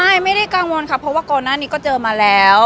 ใช่ไม่ได้กังวลค่ะเพราะว่าก่อนหน้านี้ก็เจอมาแล้ว